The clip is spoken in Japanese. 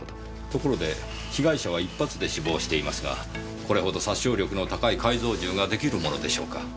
ところで被害者は１発で死亡していますがこれほど殺傷力の高い改造銃ができるものでしょうか。